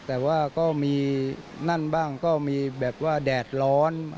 แต่ว่าก็มีนั่นบ้างก็มีแบบว่าแดดร้อน